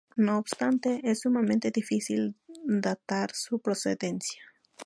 No obstante, es sumamente difícil datar su procedencia.